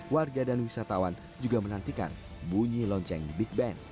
warga dan wisatawan juga menantikan bunyi lonceng big band